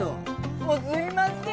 もうすいません